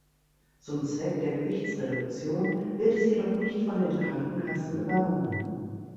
Zum Zweck der Gewichtsreduktion wird es jedoch nicht von den Krankenkassen übernommen.